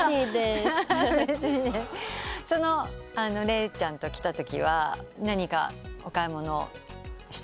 そのレイちゃんと来たときは何かお買い物したんですか？